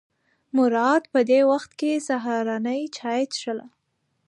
مراد په دې وخت کې سهارنۍ چای څښله.